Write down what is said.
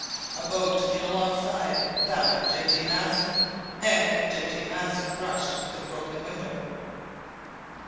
A boat came alongside, that of J. T. Maston, and J. T. Maston rushed to the broken window.